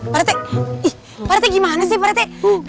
pak rete gimana sih pak rete